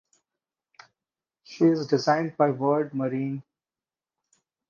She is designed by Vard Marine.